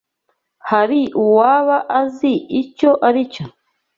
Hari uwaba azi icyo aricyo?